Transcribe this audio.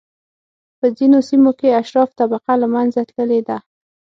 په ځینو سیمو کې اشراف طبقه له منځه تللې ده.